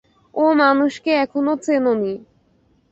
ও মানুষকে এখনো চেন নি।